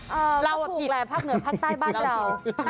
มันพูดแหละภาวะคลุกแหละภาคเหนือภาคใต้บ้างเท่า